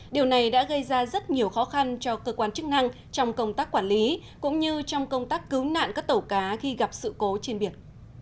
điều này đã gây ra rất nhiều khó khăn cho cơ quan chức năng trong công tác quản lý cũng như trong công tác cứu nạn các tàu cá khi gặp sự cố trên biển